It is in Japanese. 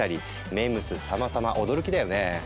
ＭＥＭＳさまさま驚きだよね。